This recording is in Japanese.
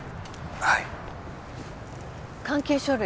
☎はい関係書類